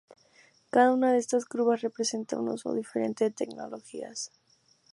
Cada una de estas curvas representa un uso diferente de tecnologías.